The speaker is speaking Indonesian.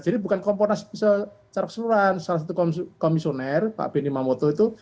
jadi bukan komponen secara keseluruhan salah satu komisioner pak benny mamoto itu